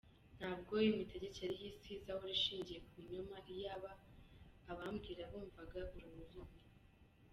Ntabwo Imitegekere y’ Isi izahora ishingiye ku binyoma iyaba aba mbwira bumvaga uru rurimi…………….